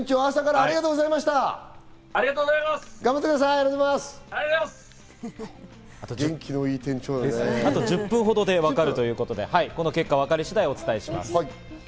あと１０分ほどで分かるということで、わかり次第お伝えします。